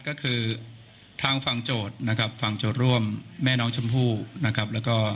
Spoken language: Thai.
ก็ต้องรอนะครับตรงนั้นนะครับ